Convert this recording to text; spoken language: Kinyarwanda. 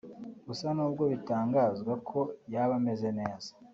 Gusa n’ubwo bitangazwa ko yaba ameze neza